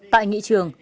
tại nghị trường